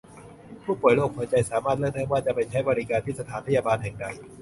ผู้ป่วยโรคหัวใจสามารถเลือกได้ว่าจะไปใช้บริการที่สถานพยาบาลแห่งใด